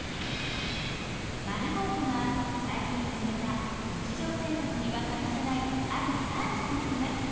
ｍａｒｕｇｏ−ｔｏが最近始めた日常生活には欠かせないあるサービスがあります。